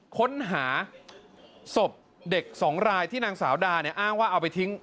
ค้นหาศพเด็กสองรายที่นางสาวดาเนี่ยอ้างว่าเอาไปทิ้ง